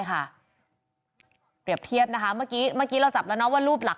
เปรียบเทียบนะคะเมื่อกี้เมื่อกี้เราจับแล้วนะว่ารูปหลัก